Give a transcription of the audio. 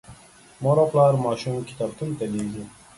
مور او پلار ماشوم کتابتون ته لیږي.